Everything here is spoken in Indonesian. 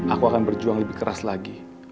aku akan berjuang lebih keras lagi